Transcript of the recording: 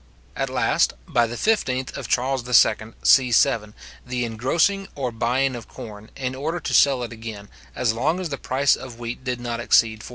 At last, by the 15th of Charles II. c.7, the engrossing or buying of corn, in order to sell it again, as long as the price of wheat did not exceed 48s.